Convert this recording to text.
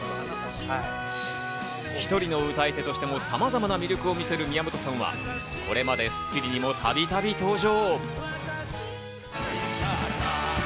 １人の歌い手としてもさまざまな魅力を見せる宮本さんはこれまで『スッキリ』にもたびたび登場。